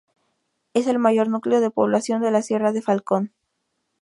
Es el mayor núcleo de población de la sierra de Falcón.